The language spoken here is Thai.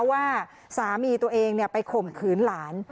ว่าสามีตัวเองไปข่มขืนหลาน